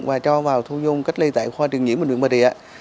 và cho vào thu dung cách ly tại khoa truyền nhiễm bệnh viện bà rịa